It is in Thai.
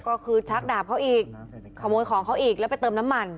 ก็คือชักดาบเขาอีกขโมยของเขาอีกแล้วไปเติมน้ำมัน